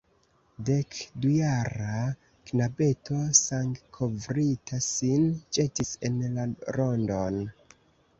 Dekdujara knabeto sangkovrita sin ĵetis en la rondon.